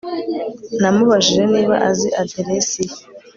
namubajije niba azi aderesi ye